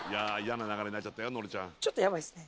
ちょっとやばいですね。